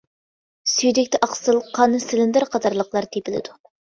سۈيدۈكتە ئاقسىل، قان، سىلىندىر قاتارلىقلار تېپىلىدۇ.